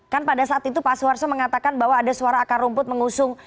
kan pada saat itu pak suharto mengatakan bahwa ada suara akar rumput mengusung